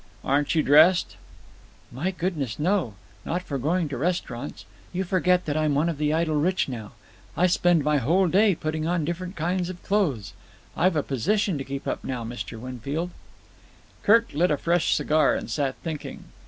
"Aren't you dressed?" "My goodness, no. Not for going to restaurants. You forget that I'm one of the idle rich now. I spend my whole day putting on different kinds of clothes. I've a position to keep up now, Mr. Winfield." Kirk lit a fresh cigar and sat thinking.